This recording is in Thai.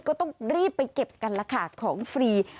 ก็ต้องรีบไปเก็บกันล่ะค่ะของฟรี